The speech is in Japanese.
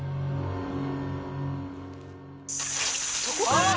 あっ！